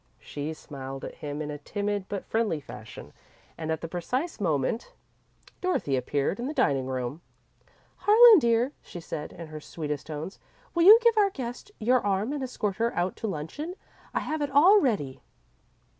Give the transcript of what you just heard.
She smiled at him in a timid, but friendly fashion, and at the precise moment, Dorothy appeared in the dining room door. "Harlan, dear," she said, in her sweetest tones, "will you give our guest your arm and escort her out to luncheon? I have it all ready!"